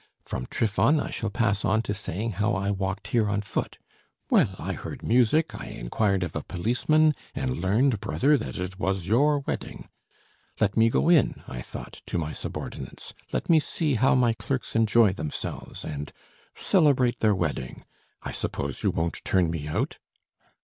From Trifon I shall pass on to saying how I walked here on foot.... 'Well, I heard music, I inquired of a policeman, and learned, brother, that it was your wedding. Let me go in, I thought, to my subordinate's; let me see how my clerks enjoy themselves and ... celebrate their wedding. I suppose you won't turn me out?'